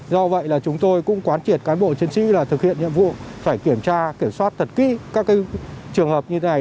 do vậy là chúng tôi cũng quán triệt cán bộ chiến sĩ là thực hiện nhiệm vụ phải kiểm tra kiểm soát thật kỹ các trường hợp như thế này